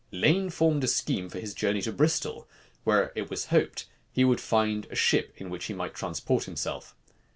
Lane formed a scheme for his journey to Bristol, where, it was hoped, he would find a ship in which he might transport himself.